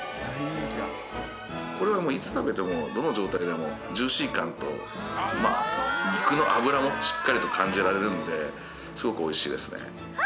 これはもういつ食べてもどの状態でもジューシー感と肉の脂もしっかりと感じられるんですごく美味しいですね。